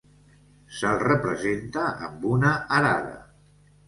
Se'l representa amb una arada.